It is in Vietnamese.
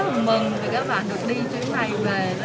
nói chung là rất là mừng vì các bạn được đi chuyến bay